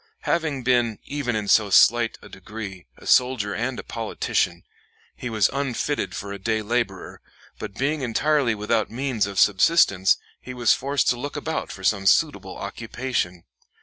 Having been, even in so slight a degree, a soldier and a politician, he was unfitted for a day laborer; but being entirely without means of subsistence, he was forced to look about for some suitable occupation.